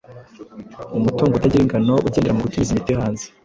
Umutungo utagira ingano ugendera mu gutumiza imiti hanze,